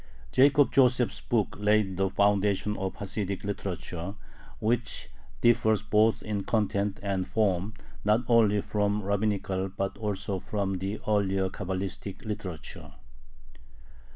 Jacob Joseph's book laid the foundation of Hasidic literature, which differs both in content and form not only from rabbinical but also from the earlier Cabalistic literature.